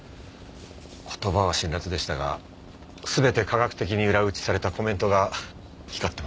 言葉は辛辣でしたが全て科学的に裏打ちされたコメントが光ってましてね。